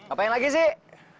apa yang lagi sih